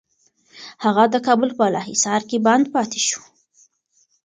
هغه د کابل په بالاحصار کي بند پاتې شو.